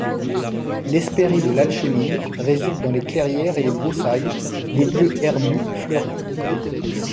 L'Hespérie de l'alchémille réside dans les clairières et les broussailles, les lieux herbus fleuris.